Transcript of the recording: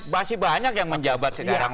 masih banyak yang menjabat sekarang